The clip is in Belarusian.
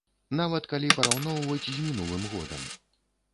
Нават калі параўноўваць з мінулым годам.